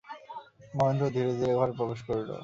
মহেন্দ্র ধীরে ধীরে ঘরে প্রবেশ করিল।